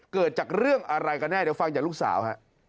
เกิดจากเรื่องอะไรกันแน่เดี๋ยวฟังจากลูกสาวฮะ